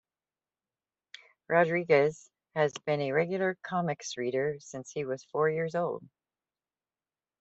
Rodriguez has been a regular comics reader since he was four years old.